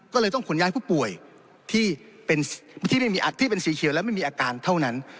ก็เลยต้องขนย้ายผู้ป่วยที่เป็นสีเขียวและไม่มีอาการเท่านั้น